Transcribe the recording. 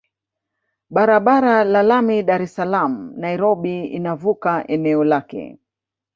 Barabara ya lami Dar es Salaam Nairobi inavuka eneo lake